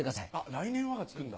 「来年は」が付くんだ。